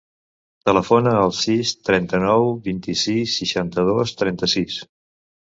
Telefona al sis, trenta-nou, vint-i-sis, seixanta-dos, trenta-sis.